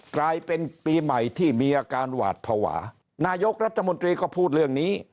กลายเป็นปีใหม่ที่มีอาการหวาดภาวะนายกรัฐมนตรีก็พูดเรื่องนี้